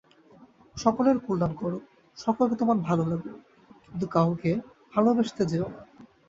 সকলের কল্যাণ কর, সকলকে তোমার ভাল লাগুক, কিন্তু কাউকে ভালবাসতে যেও না।